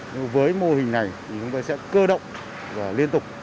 nhưng với mô hình này thì chúng tôi sẽ cơ động và liên tục